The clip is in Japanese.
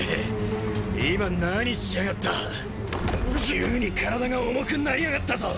急に体が重くなりやがったぞ！